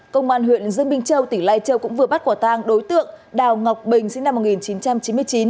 hoàn huyện dương bình châu tỉnh lai châu cũng vừa bắt quả tàng đối tượng đào ngọc bình sinh năm một nghìn chín trăm chín mươi chín